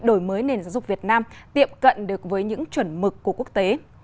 đổi mới nền giáo dục việt nam tiệm cận được với những chuẩn mực của quốc tế